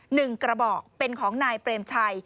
หนึ่งกระบอกเป็นของนายเปรมชัย